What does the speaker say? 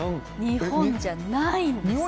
日本じゃないんです。